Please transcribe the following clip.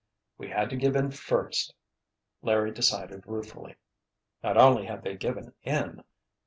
"We had to give in first," Larry decided ruefully. Not only had they given in.